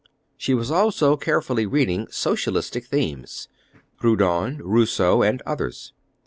She was also carefully reading socialistic themes, Proudhon, Rousseau, and others.